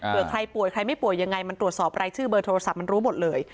ใครป่วยใครไม่ป่วยยังไงมันตรวจสอบรายชื่อเบอร์โทรศัพท์มันรู้หมดเลย